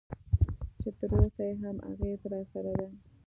چې تراوسه یې هم اغېز راسره دی.